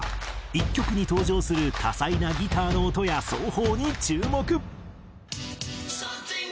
１曲に登場する多彩なギターの音や奏法に注目。